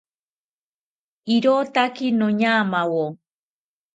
¡Irotake noñamawo!